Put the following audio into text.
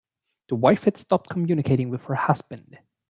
The wife had stopped communicating with her husband